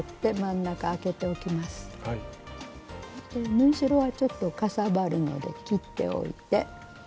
縫い代はちょっとかさばるので切っておいて。